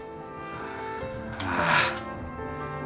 ああ。